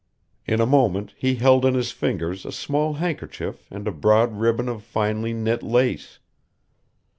In a moment he held in his fingers a small handkerchief and a broad ribbon of finely knit lace.